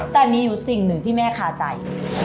แต่มีอยู่สิ่งหนึ่งที่แม่คาใจ